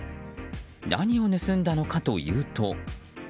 何を盗んだのかというと。